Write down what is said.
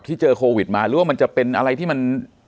เจอโควิดมาหรือว่ามันจะเป็นอะไรที่มัน